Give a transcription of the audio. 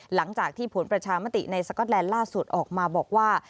หลังจากที่ผลประชามติในสก็อตแลนด์ล่าสุดออกมาบอกว่า